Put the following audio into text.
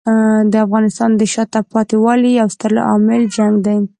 د افغانستان د شاته پاتې والي یو ستر عامل جنګ دی.